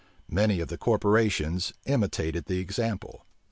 Many of the corporations imitated the example.